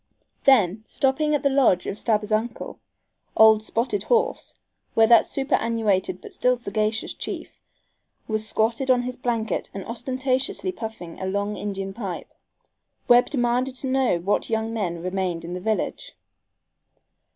Then, stopping at the lodge of Stabbers's uncle, old "Spotted Horse," where that superannuated but still sagacious chief was squatted on his blanket and ostentatiously puffing a long Indian pipe, Webb demanded to know what young men remained in the village.